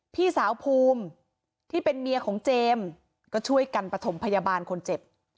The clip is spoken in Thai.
พี่สาวภูมิที่เป็นเมียของเจมส์ก็ช่วยกันประถมพยาบาลคนเจ็บ